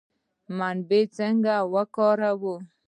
منابع څنګه وکاروو؟